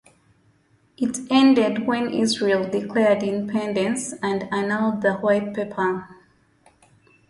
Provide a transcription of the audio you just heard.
It ended when Israel declared independence and annulled the White Paper.